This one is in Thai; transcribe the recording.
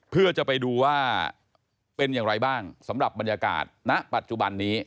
เพื่อจะไปดูว่าเป็นอย่างไรบ้างสำหรับบรรยากาศณปัจจุบันนี้